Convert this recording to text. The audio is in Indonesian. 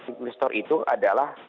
investor itu adalah